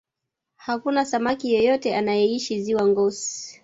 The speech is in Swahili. hakuna samaki yeyote anayeishi ziwa ngosi